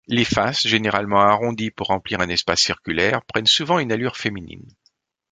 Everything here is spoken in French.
Les faces, généralement arrondies pour remplir un espace circulaire, prennent souvent une allure féminine.